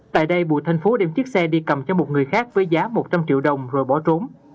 tại đây bùi thanh phú đem chiếc xe đi cầm cho một người khác với giá một trăm linh triệu đồng rồi bỏ trốn